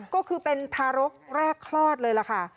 ก็คือเป็นทารกแรกคลอดเลยล่ะค่ะ